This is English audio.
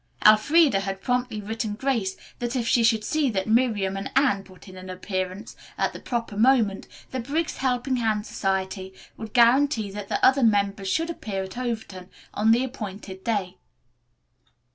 Elfreda had promptly written Grace that if she would see that Miriam and Anne put in an appearance at the proper moment, the Briggs Helping Hand Society would guarantee that the other members should appear at Overton on the appointed day.